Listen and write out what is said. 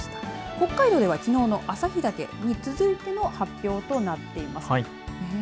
北海道ではきのうの旭岳に続いての発表となっています。